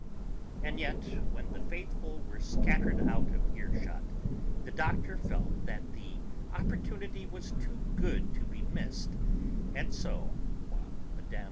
And yet, when the 'faithful' were scattered out of earshot, the Doctor felt that the opportunity was too good to be missed, and so (while Mme.